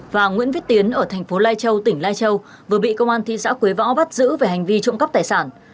và nguyễn viết tiến ở thành phố lai châu tỉnh lai châu vừa bị công an thị xã quế võ bắt giữ về hành vi trộm cắp tài sản